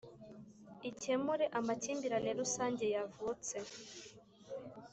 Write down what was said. ikemure amakimbirane rusange yavutse